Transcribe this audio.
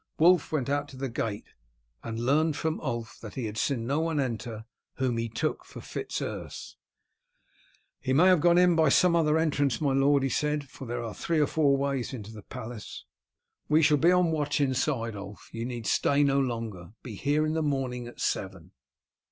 Wulf went out to the gate, and learnt from Ulf that he had seen no one enter whom he took for Fitz Urse. "He may have gone in by some other entrance, my lord," he said, "for there are three or four ways into the palace." "We shall be on watch inside, Ulf. You need stay no longer. Be here in the morning at seven."